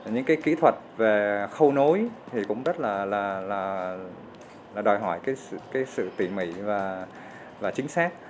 những kỹ thuật về khâu nối thì cũng rất là đòi hỏi sự tỉ mỉ và chính xác